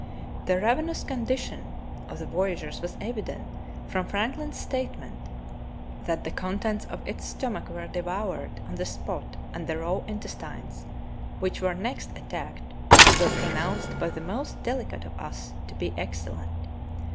The ravenous condition of the voyageurs was evident from Franklin's statement that "the contents of its stomach were devoured on the spot and the raw intestines, which were next attacked, were pronounced by the most del icate of us to be excellent.